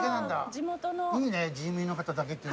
いいね住民の方だけっていうのも。